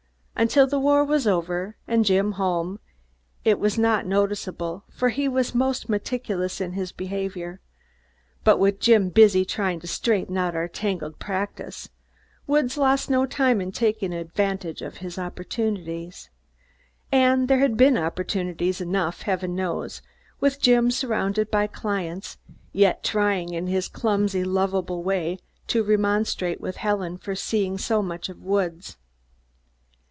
Until the war was over and Jim home, it was not noticeable, for he was most meticulous in his behavior, but with Jim busy trying to straighten out our tangled practise, Woods lost no time in taking advantage of his opportunities. And there had been opportunities enough, heaven knows, with Jim surrounded by clients, yet trying in his clumsy, lovable way to remonstrate with Helen for seeing so much of Woods.